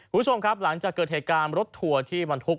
คุณผู้ชมครับหลังจากเกิดเหตุการณ์รถทัวร์ที่บรรทุก